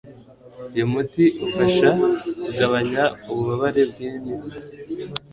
uyu muti ufasha kugabanya ububabare bwimitsi